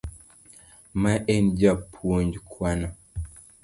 Ma en japuonj Kwano.